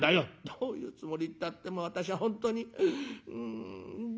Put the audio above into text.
「どういうつもりったって私は本当にうんじれったい！」。